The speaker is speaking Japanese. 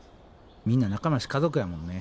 みんな仲間やし家族やもんね。